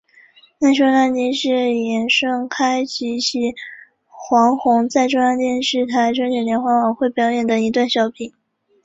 难兄难弟是严顺开以及黄宏在中央电视台春节联欢晚会中所表演的一段小品。